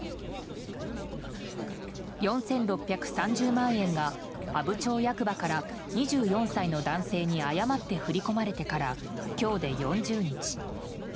４６３０万円が阿武町役場から２４歳の男性に誤って振り込まれてから今日で４０日。